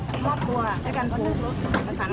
ไม่ได้มีเจตนาที่จะเล่ารวมหรือเอาทรัพย์ของคุณ